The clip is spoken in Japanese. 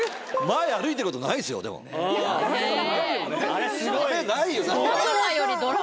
あれないよない。